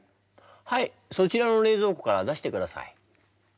はいそちらの冷蔵庫から出してください。